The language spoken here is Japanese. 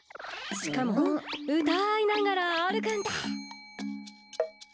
しかもうたいながらあるくんだ。